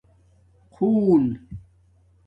خݸں